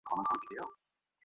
ঠিক বুঝলাম কি না, শোনো তো।